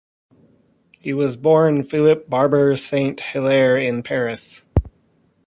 He was born Philippe Barbier Saint-Hilaire in Paris.